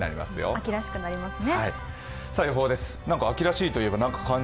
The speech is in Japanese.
秋らしくなりますね。